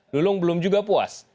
lulung belum juga puas